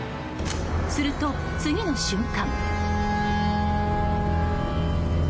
すると次の瞬間。